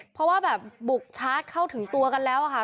เพราะว่าแบบบุกชาร์จเข้าถึงตัวกันแล้วค่ะ